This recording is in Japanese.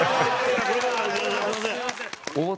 すみません。